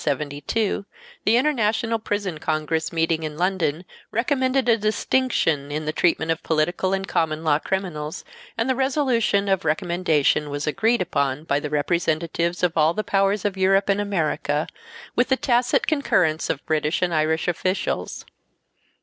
We told them that as early as 1872 the International Prison Congress meeting in London recommended a distinction in the treatment of political and common law criminals and the resolution of recommendation was "agreed upon by the representatives of all the Powers of Europe and America—with the tacit concurrence of British and Irish officials."